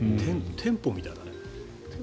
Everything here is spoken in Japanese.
店舗みたいだね。